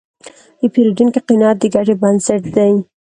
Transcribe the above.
د پیرودونکي قناعت د ګټې بنسټ دی.